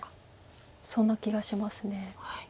そんな気がします。